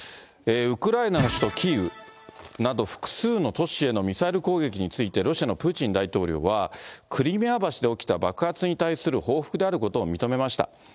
ウクライナの首都キーウなど複数の都市へのミサイル攻撃について、ロシアのプーチン大統領はクリミア橋で起きた爆発に対する報復であることを認めました。